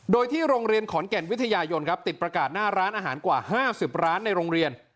โดยที่โรงเรียนขอนแก่นวิทยายนครับติดประกาศหน้าร้านอาหารกว่า๕๐ร้านในโรงเรียน